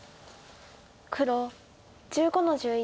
黒１５の十一。